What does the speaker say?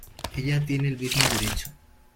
ella tiene el mismo derecho.